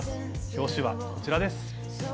表紙はこちらです。